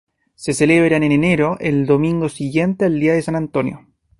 Se celebran en enero, el domingo siguiente al día de San Antonio.